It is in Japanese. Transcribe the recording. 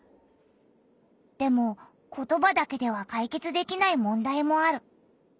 でも言葉だけではかいけつできない問題もある。